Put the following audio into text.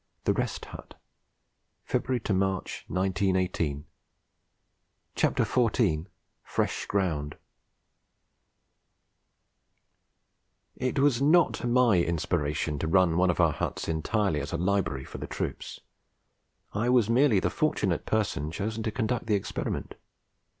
THE REST HUT (February March, 1918) FRESH GROUND It was not my inspiration to run one of our huts entirely as a library for the troops. I was merely the fortunate person chosen to conduct the experiment.